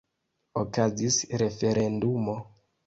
Okazis referendumo.